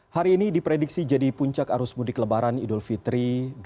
hari ini diprediksi jadi puncak arus mudik lebaran idul fitri dua ribu dua puluh